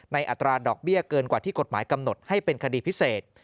อัตราดอกเบี้ยเกินกว่าที่กฎหมายกำหนดให้เป็นคดีพิเศษ